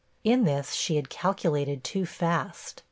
In this, she had calculated too fast.